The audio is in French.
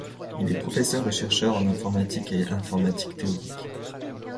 Il est professeur et chercheur en informatique et informatique théorique.